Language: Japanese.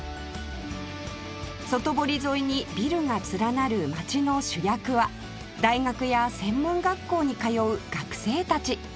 外堀沿いにビルが連なる街の主役は大学や専門学校に通う学生たち